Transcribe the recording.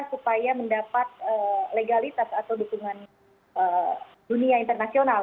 supaya mendapat legalitas atau dukungan dunia internasional